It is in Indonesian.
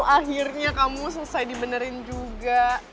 akhirnya kamu selesai dibenerin juga